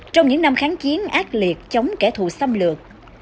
trong những năm kháng chiến ác liệt chống kẻ thù xâm lược